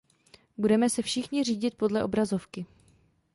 Budeme se všichni řídit podle obrazovky.